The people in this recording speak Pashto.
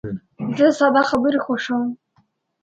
زه ساده خبرې خوښوم.